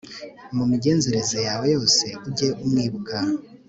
mu migenzereze yawe yose, ujye umwibuka